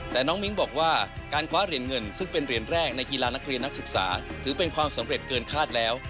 แต่น้องมิ้งบอกว่าการคว้าเหรียญเงินซึ่งเป็นเหรียญแรกในกีฬานักเรียนนักศึกษาถือเป็นความสำเร็จเกินคาดแล้ว